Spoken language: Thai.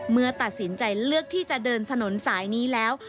เมื่อตัดสินใจเลือกที่จะเดินถนนสายนี้แล้ว